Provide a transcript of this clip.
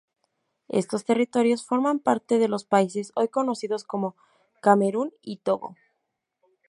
Estos territorios forman parte de los países hoy conocidos como Camerún y Togo.